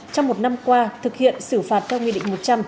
trong một năm qua thực hiện xử phạt theo nghị định một trăm linh